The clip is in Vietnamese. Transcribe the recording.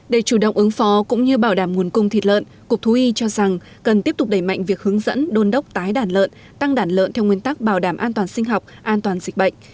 để chủ động ứng phó cũng như bảo đảm nguồn cung thịt lợn cục thú y cho rằng cần tiếp tục đẩy mạnh việc hướng dẫn đôn đốc tái đàn lợn tăng đàn lợn theo nguyên tắc bảo đảm an toàn sinh học an toàn dịch bệnh